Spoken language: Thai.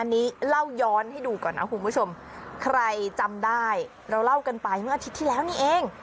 อันนี้เล่าย้อนให้ดูก่อนนะคุณผู้ชมใครจำได้เราเล่ากันไปเมื่ออาทิตย์ที่แล้วนี่เอง